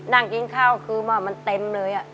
นั่งกินข้าวคือว่ามันเต็มเลย